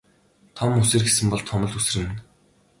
Том үсэр гэсэн бол том л үсэрнэ.